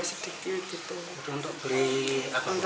ini enggak sedikit gitu